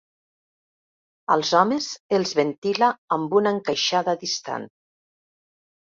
Als homes els ventila amb una encaixada distant.